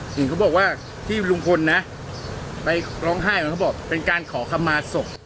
เห็นเขาบอกว่าที่ลุงพลนะไปร้องไห้เหมือนเขาบอกเป็นการขอคำมาศพ